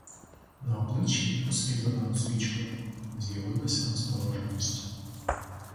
На обличчі, освітленому свічкою, з'явилася настороженість.